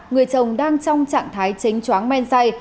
người chồng đang trong trạng thái chính chóng men say